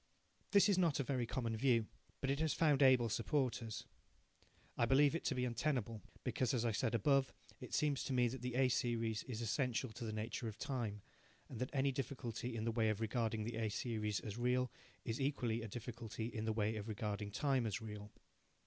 This is not a very common view, but it has found able supporters. I believe it to be untenable, because, as I said above, it seems to me that the A series is essential to the nature of time, and that any difficulty in the way of regarding the A series as real is equally a difficulty in the way of regarding time as real.